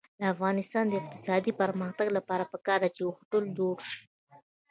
د افغانستان د اقتصادي پرمختګ لپاره پکار ده چې هوټلونه جوړ شي.